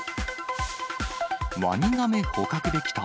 ワニガメ捕獲できた？